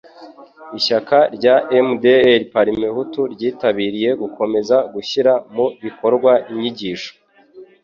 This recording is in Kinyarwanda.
ishyaka rya MDR PARMEHUTU ryitabiriye gukomeza gushyira mu bikorwa inyigisho